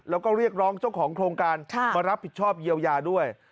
แล้วก็เรียกร้องเจ้าของโครงการมารับผิดชอบเยียวยาด้วย